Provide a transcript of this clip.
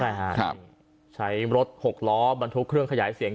ใช่ฮะใช้รถหกล้อบรรทุกเครื่องขยายเสียง